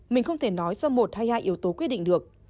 mình không thể nói do một hay hai yếu tố quyết định được